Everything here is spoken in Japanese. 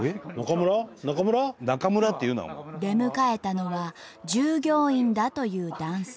出迎えたのは従業員だという男性。